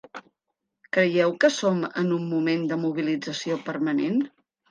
Creieu que som en un moment de mobilització permanent?